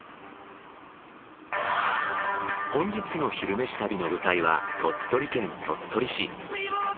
本日の「昼めし旅」の舞台は鳥取県鳥取市。